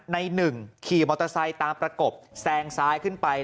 ในหนึ่งขี่มอเตอร์ไซค์ตามประกบแซงซ้ายขึ้นไป